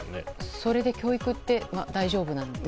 それで教育って大丈夫なんでしょうか？